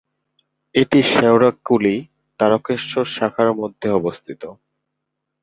এটি শেওড়াফুলি-তারকেশ্বর শাখার মধ্যে অবস্থিত।